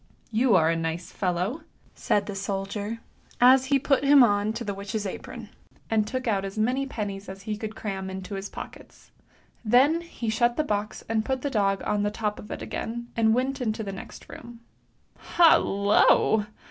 " You are a nice fellow! " said the soldier, as he put him on to the witch's apron, and took out as many pennies as he could cram into his pockets. Then he shut the box, and put the dog on the top of it again, and went into the next room. Hallo!